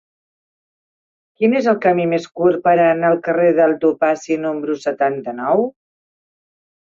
Quin és el camí més curt per anar al carrer del Topazi número setanta-nou?